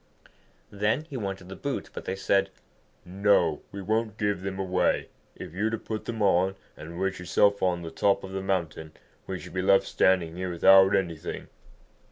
Then he wanted the boots, but they said, 'No, we won't give them away. If you were to put them on and wish yourself on the top of the mountain, we should be left standing here without anything.'